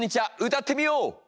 歌ってみよう！